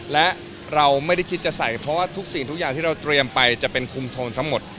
และเราไม่ได้คิดจะใส่เพราะว่าทุกสิ่งทุกอย่างที่เราเตรียมไปจะเป็นคุมโทนทั้งหมด